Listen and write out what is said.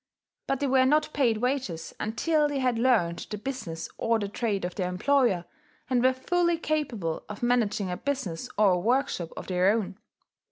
But they were not paid wages until they had learned the business or the trade of their employer, and were fully capable of managing a business or a workshop of their own.